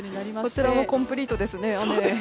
こちらもコンプリートですね。